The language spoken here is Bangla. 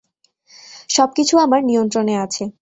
সবকিছু আমার নিয়ন্ত্রণে আছে।